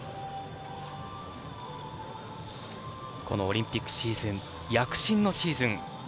このオリンピックシーズン躍進のシーズン。